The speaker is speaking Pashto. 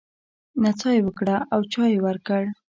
نڅا يې وکړه او چای يې ورکړ.